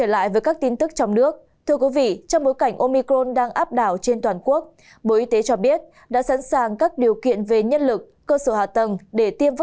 là hơn một mươi bảy triệu liều